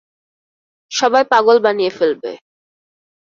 সবাই পাগল বানিয়ে ফেলবে।